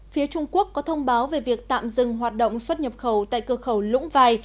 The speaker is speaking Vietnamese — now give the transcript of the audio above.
phía trung quốc có thông báo về việc tạm dừng hoạt động xuất nhập khẩu tại cửa khẩu lũng vài